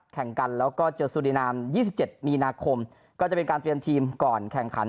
แข่งกันแล้วก็เจอสุรินาม๒๗มีนาคมก็จะเป็นการเตรียมทีมก่อนแข่งขัน